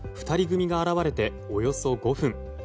２人組が現れておよそ５分。